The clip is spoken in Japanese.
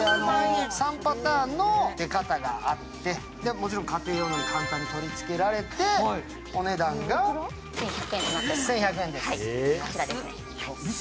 ３パターンの出方があって、もちろん家庭でも簡単に取り付けられてお値段が１１００円です。